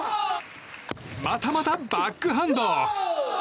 またまたバックハンド！